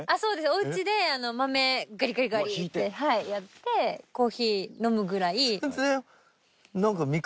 おうちで豆ガリガリガリってやってコーヒー飲むぐらい。